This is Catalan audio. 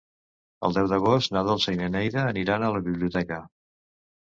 El deu d'agost na Dolça i na Neida aniran a la biblioteca.